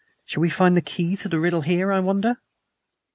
"Shall we find the key to the riddle here, I wonder?"